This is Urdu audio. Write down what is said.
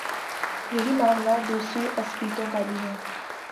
یہی معاملہ دوسری عصبیتوں کا بھی ہے۔